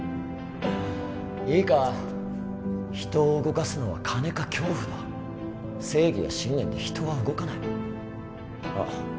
いいか人を動かすのは金か恐怖だ正義や信念で人は動かないあっ